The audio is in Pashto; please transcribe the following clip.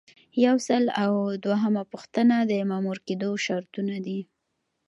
یو سل او دوهمه پوښتنه د مامور کیدو شرطونه دي.